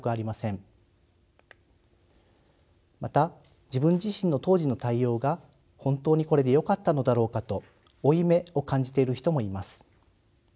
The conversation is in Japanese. また自分自身の当時の対応が本当にこれでよかったのだろうかと負い目を感じている人もいます。